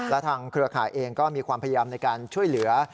และทางเครือข่ายเองก็มีความพยายามในการช่วยเหลือ